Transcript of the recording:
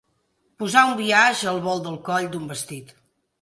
Posar un biaix al volt del coll d'un vestit.